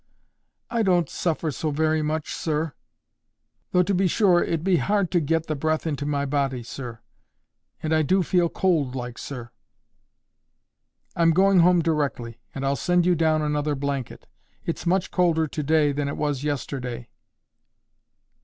"I don't suffer so wery much, sir; though to be sure it be hard to get the breath into my body, sir. And I do feel cold like, sir." "I'm going home directly, and I'll send you down another blanket. It's much colder to day than it was yesterday."